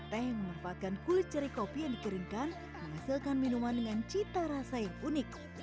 teh yang memanfaatkan kulit ceri kopi yang dikeringkan menghasilkan minuman dengan cita rasa yang unik